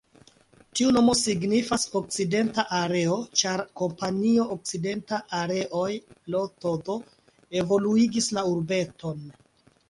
Tiu nomo signifas: 'okcidenta areo', ĉar kompanio "Okcidenta Areoj Ltd" evoluigis la urbeton.